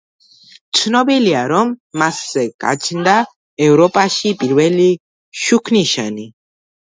ცნობილია, რომ მასზე გაჩნდა ევროპაში პირველი შუქნიშანი.